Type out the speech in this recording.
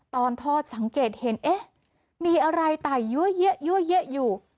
ตอนทอดสังเกตเห็นเอ๊ะมีอะไรไต่เยอะอยู่